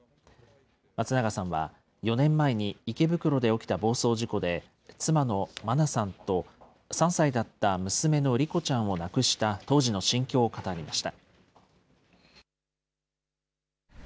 松永さんは、４年前に池袋で起きた暴走事故で、妻の真菜さんと３歳だった娘の莉子ちゃんを亡くした当時の心境を語りました。